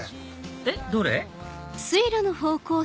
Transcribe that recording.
えっどれ？